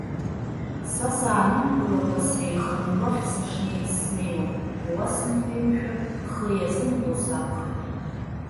Са саанымгылакәа сеиханы уахь сышнеиц снеиуан, иуасымҳәеи, мшәа, хы-иазымго сакәхеит!